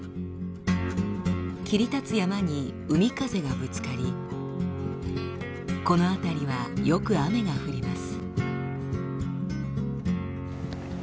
切り立つ山に海風がぶつかりこの辺りはよく雨が降ります。